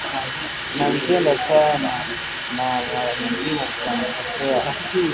Tunampenda sana na mara nyingine tunamkosea